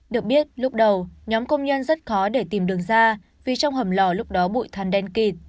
được biết lúc đầu nhóm công nhân rất khó để tìm đường ra vì trong hầm lò lúc đó bụi than đen kịt